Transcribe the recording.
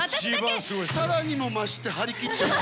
さらにもまして張り切っちゃ